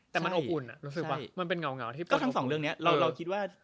แต่มันอบอุ่นอะรู้สึกปะมันเป็นเหงาที่เป็นอบอุ่นก็ทั้งสองเรื่องเนี่ยเราคิดว่า